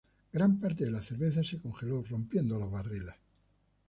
Gran parte de la cerveza se congeló, rompiendo los barriles.